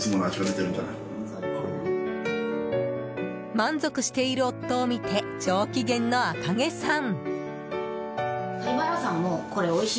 満足している夫を見て上機嫌のアカゲさん。